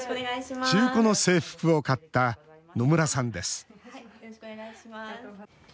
中古の制服を買った野村さんです。